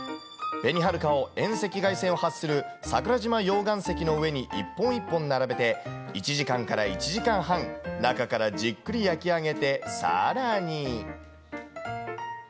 べにはるかを遠赤外線を発する桜島溶岩石の上に一本一本並べて、１時間から１時間半、中からじっくり焼き上げて、さらに。